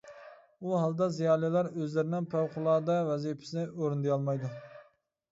ئۇ ھالدا زىيالىيلار ئۆزلىرىنىڭ پەۋقۇلئاددە ۋەزىپىسىنى ئورۇندىيالمايدۇ.